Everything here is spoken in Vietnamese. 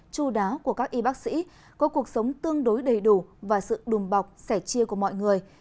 chu đáo của các y bác sĩ có cuộc sống tương đối đầy đủ và sự đùm bọc sẻ chia của mọi người